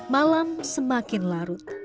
malam semakin larut